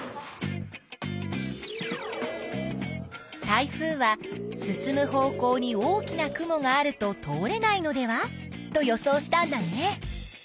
台風は進む方向に大きな雲があると通れないのではと予想したんだね。